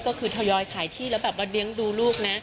ก็คือทยอยขายที่แล้วแบบว่าเลี้ยงดูลูกนะ